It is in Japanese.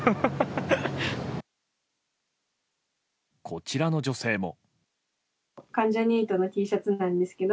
こちらの女性も。